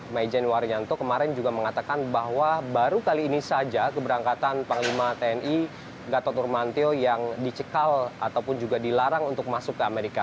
majen waryanto kemarin juga mengatakan bahwa baru kali ini saja keberangkatan panglima tni gatot nurmantio yang dicekal ataupun juga dilarang untuk masuk ke amerika